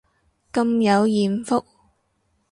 咁有艷福